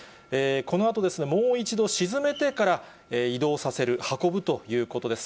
このあと、もう一度沈めてから移動させる、運ぶということです。